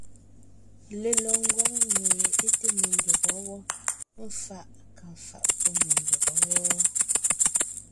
Lelɔg ngwáŋ mie é té mekʉ̀ŋekab wɔ́, éfaʼ kà faʼ pɔ́ me ndÿɔgɔ́ wɔ́ɔ.